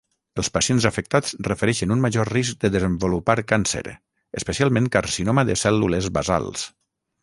Els pacients afectats refereixen un major risc de desenvolupar càncer, especialment carcinoma de cèl·lules basals.